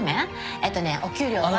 えっとねお給料は。